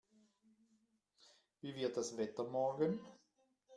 Wie wird das Wetter morgen?